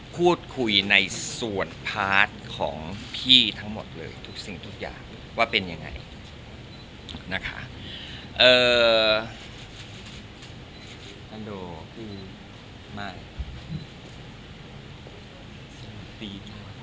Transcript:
คุยได้ภูมิในส่วนของพี่ทั่งหมดเหลอะหวังวาเป็นอย่างไร